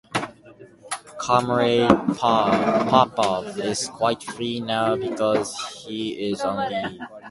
Comrade Popov is quite free now because he is on leave.